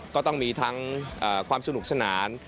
ก็ต้องมีทั้งความสนุกสนาน